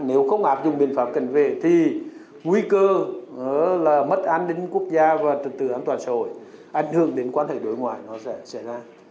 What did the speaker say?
nếu không áp dụng biện pháp cảnh vệ thì nguy cơ là mất an ninh quốc gia và tự tử an toàn xã hội ảnh hưởng đến quan hệ đối ngoại nó sẽ ra